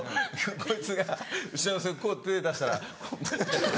こいつがうちの息子にこう手出したら。